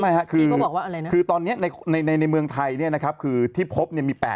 ไม่คือคือตอนนี้ในเมืองไทยเนี่ยนะครับ